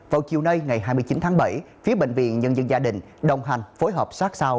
vào chiều nay ngày hai mươi chín tháng bảy phía bệnh viện nhân dân gia đình đồng hành phối hợp sát sao